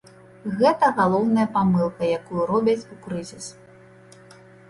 Гэта галоўная памылка, якую робяць у крызіс.